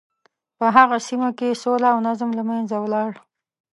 په هغه سیمه کې سوله او نظم له منځه ولاړ.